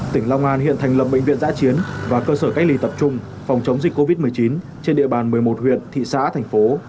tỉnh long an hiện thành lập bệnh viện giã chiến và cơ sở cách ly tập trung phòng chống dịch covid một mươi chín trên địa bàn một mươi một huyện thị xã thành phố